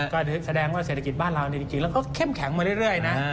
ก็แสดงว่าเศรษฐกิจบ้านเราจริงแล้วก็เข้มแข็งมาเรื่อยนะ